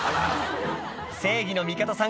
正義の味方さん